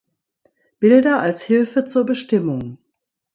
Bilder als Hilfe zur Bestimmung